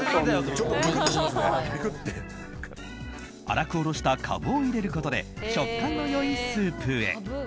粗くおろしたカブを入れることで食感の良いスープへ。